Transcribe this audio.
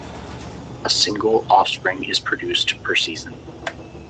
A single offspring is produced per season.